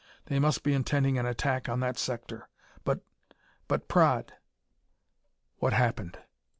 They must be intending an attack on that sector. But but Praed " "What happened?"